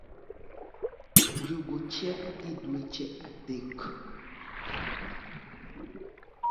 njungu chiek gi dweche adek